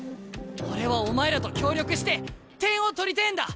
俺はお前らと協力して点を取りてえんだ！